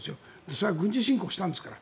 それは軍事侵攻したんですから。